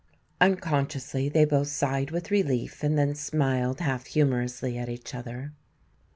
Unconsciously they both sighed with relief and then smiled half humorously at each other.